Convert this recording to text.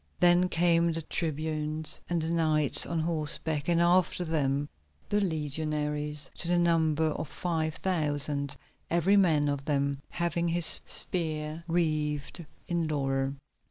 Then came the tribunes and the knights on horseback, and after them the legionaries to the number of five thousand, every man of them having his spear wreathed in laurel.